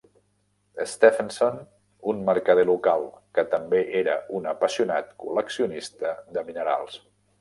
Stephenson, un mercader local que també era un apassionat col·leccionista de minerals.